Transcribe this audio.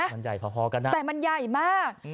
มันใหญ่พอกันนะแต่มันใหญ่มาก